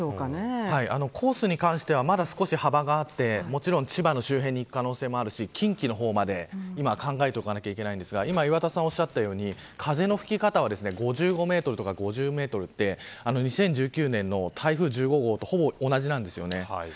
コースに関しては、まだ少し幅があって、もちろん千葉の周辺にいく可能性もあるし近畿の方まで今は考えておかなければいけないですが、今岩田さんがおっしゃったように風の吹き方は５０メートルとか５５メートルって、２０１９年の台風１５号とほぼ同じです。